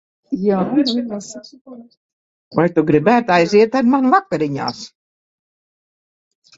Vai tu gribētu aiziet ar mani vakariņās?